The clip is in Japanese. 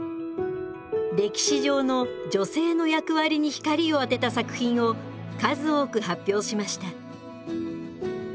歴史上の女性の役割に光を当てた作品を数多く発表しました。